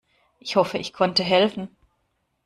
Ich hoffe, ich konnte helfen.